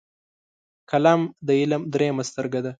قلم د علم دریمه سترګه ده